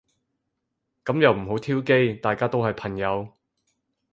噉又唔好挑機。大家都係朋友